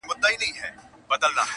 په خبره ولي نه سره پوهېږو؛